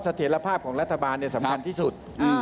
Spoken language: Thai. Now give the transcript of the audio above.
เถียรภาพของรัฐบาลสำคัญที่สุด